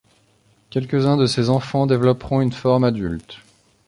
Quelques-uns de ces enfants développeront une forme adulte.